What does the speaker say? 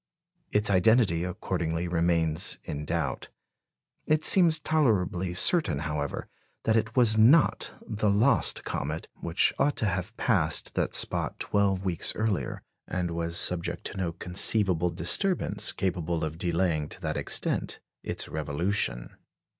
Its identity accordingly remains in doubt. It seems tolerably certain, however, that it was not the lost comet, which ought to have passed that spot twelve weeks earlier, and was subject to no conceivable disturbance capable of delaying to that extent its revolution.